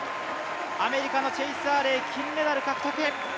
アメリカのチェイス・アーレイ、金メダル獲得。